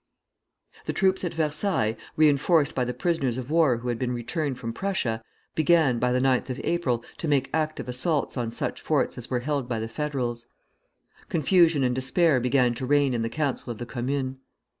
The troops at Versailles, reinforced by the prisoners of war who had been returned from Prussia, began, by the 9th of April, to make active assaults on such forts as were held by the Federals. Confusion and despair began to reign in the Council of the Commune.